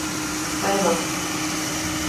Claonadh